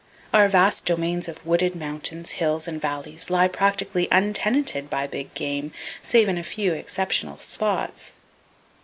Our vast domains of wooded mountains, hills and valleys lie practically untenanted by big game, save in a few exceptional spots.